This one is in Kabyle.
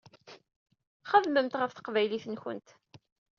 Xedmemt ɣef teqbaylit-nkent.